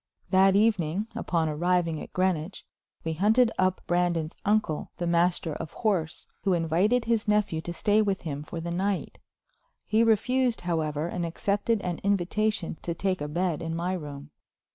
That evening, upon arriving at Greenwich, we hunted up Brandon's uncle, the Master of Horse, who invited his nephew to stay with him for the night. He refused, however, and accepted an invitation to take a bed in my room.